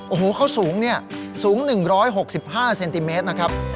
โอ้โหเขาสูงเนี่ยสูง๑๖๕เซนติเมตรนะครับ